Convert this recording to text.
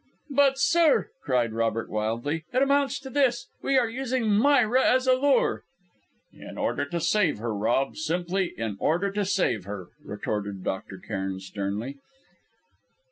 "But sir," cried Robert wildly, "it amounts to this: we are using Myra as a lure!" "In order to save her, Rob simply in order to save her," retorted Dr. Cairn sternly.